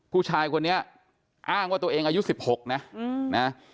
ผู้ชายคนนี้อ้างว่าตัวเองอายุ๑๖นะนะ